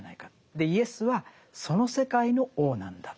でイエスはその世界の王なんだと。